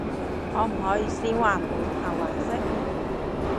可唔可以先還本後還息？